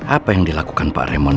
apa yang dilakukan pak remon